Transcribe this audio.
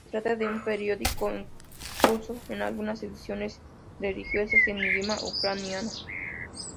Se trata de un periódico en ruso con algunas ediciones regionales en idioma ucraniano.